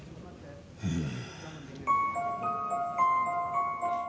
うん。